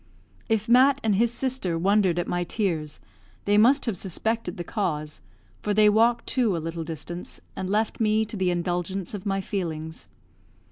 If Mat and his sister wondered at my tears, they must have suspected the cause, for they walked to a little distance, and left me to the indulgence of my feelings.